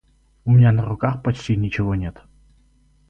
У меня на руках почти ничего нет.